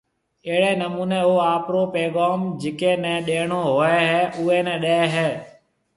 اهڙيَ نمونيَ او آپرو پيغوم جڪي ني ڏيڻو هوئيَ هيَ اوئيَ نيَ ڏيَ هيَ